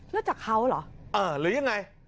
เลือดจากเขาเหรอหรือยังไง